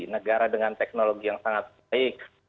negara dengan teknologi yang sangat baik